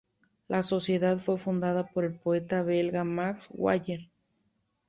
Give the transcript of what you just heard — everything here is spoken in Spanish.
La sociedad fue fundada por el poeta belga Max Waller.